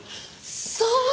そう！